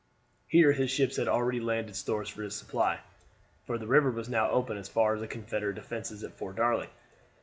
Here his ships had already landed stores for his supply, for the river was now open as far as the Confederate defenses at Fort Darling.